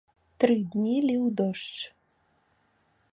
Тры дні ліў дождж.